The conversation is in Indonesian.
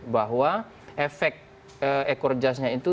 bahwa efek ekor jasnya itu